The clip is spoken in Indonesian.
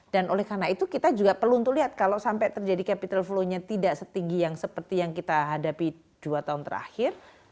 dan oleh karena itu kita juga perlu untuk lihat kalau sampai terjadi capital flow nya tidak setinggi yang seperti yang kita hadapi dua tahun lalu